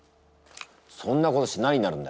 そんなことして何になるんだ！